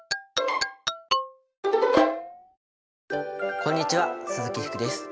こんにちは鈴木福です。